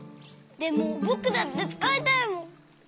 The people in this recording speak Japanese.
でもぼくだってつかいたいもん。